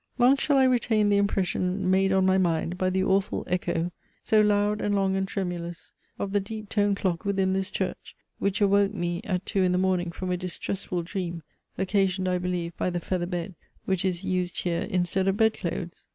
Long shall I retain the impression made on my mind by the awful echo, so loud and long and tremulous, of the deep toned clock within this church, which awoke me at two in the morning from a distressful dream, occasioned, I believe, by the feather bed, which is used here instead of bed clothes.